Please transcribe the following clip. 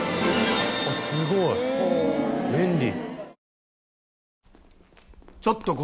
すごい！便利。